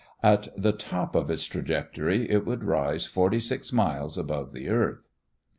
At the top of its trajectory it would rise 46 miles above the earth.